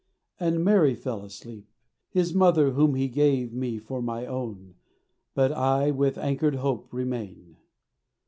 And Mary fell asleep, His mother whom He gave me for my own. But I with anchored hope remain.